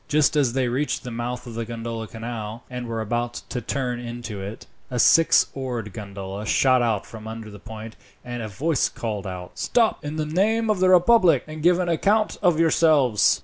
Just as they reached the mouth of the Grand Canal, and were about to turn into it, a six oared gondola shot out from under the point, and a voice called out: "Stop, in the name of the republic, and give an account of yourselves!"